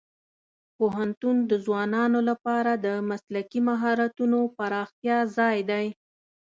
پوهنتون د ځوانانو لپاره د مسلکي مهارتونو پراختیا ځای دی.